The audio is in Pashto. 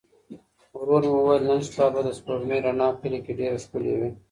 ورور مې وویل نن شپه به د سپوږمۍ رڼا کلي کې ډېره ښکلې وي.